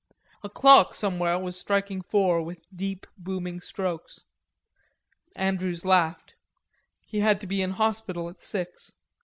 A clock somewhere was striking four with deep booming strokes, Andrews laughed. He had to be in hospital at six.